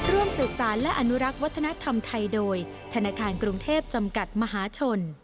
ร่วมสืบสารและอนุรักษ์วัฒนธรรมไทยโดยธนาคารกรุงเทพจำกัดมหาชน